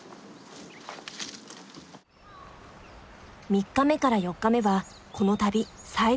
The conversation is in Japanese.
３日目から４日目はこの旅最大の山場。